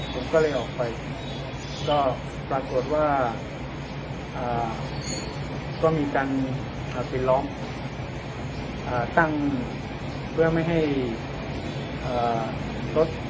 ผมก็เลยออกไปก็ปรากฏว่าอ่าก็มีการอ่าไปร้องอ่าตั้งเพื่อไม่ให้อ่า